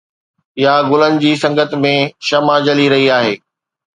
يا گلن جي سنگت ۾ شمع جلي رهي آهي؟